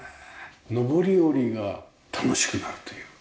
上り下りが楽しくなるというか。